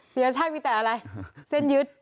ปียชาติมีแต่อะไรเส้นยึด